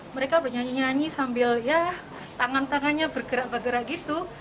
mereka bernyanyi nyanyi sambil ya tangan tangannya bergerak bergerak gitu